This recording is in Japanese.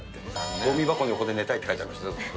ごみ箱の横で寝たいって書いてありましたよ。